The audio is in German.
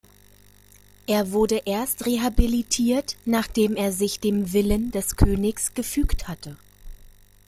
Er wurde erst rehabilitiert, nachdem er sich dem Willen des Königs gefügt hatte.